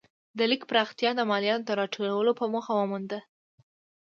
د لیک پراختیا د مالیاتو د راټولولو په موخه ومونده.